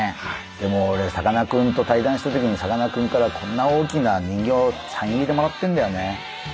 でもオレさかなクンと対談したときにさかなクンからこんな大きな人形サイン入りでもらってんだよね。